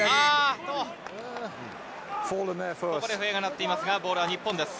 ここで笛が鳴っていますが、ボールは日本です。